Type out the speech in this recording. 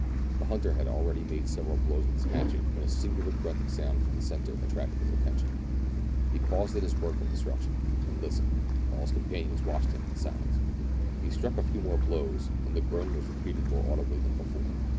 The hunter had already made several blows with his hatchet, when a singular grunting sound from the centre attracted his attention : he paused in his work of destruction, and listened, while his companions watched him in silence. He struck a few more blows, and the groan was repeated more audibly than before.